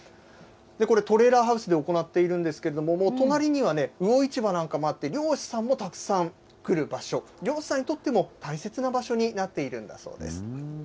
これ、トレーラーハウスで行っているんですけれども、もう、隣には魚市場なんかもあって、漁師さんもたくさん来る場所、漁師さんにとっても大切な場所になっているんだそうです。